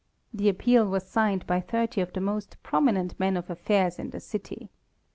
The appeal was signed by thirty of the most prominent men of affairs in the city.